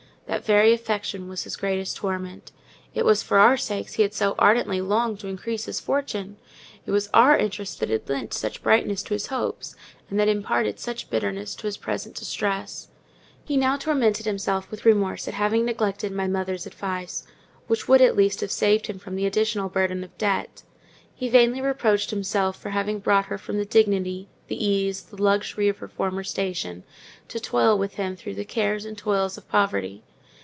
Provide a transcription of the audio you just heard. That very affection was his greatest torment: it was for our sakes he had so ardently longed to increase his fortune—it was our interest that had lent such brightness to his hopes, and that imparted such bitterness to his present distress. He now tormented himself with remorse at having neglected my mother's advice; which would at least have saved him from the additional burden of debt—he vainly reproached himself for having brought her from the dignity, the ease, the luxury of her former station to toil with him through the cares and toils of poverty.